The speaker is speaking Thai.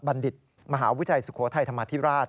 ดิตมหาวิทยาลัยสุโขทัยธรรมาธิราช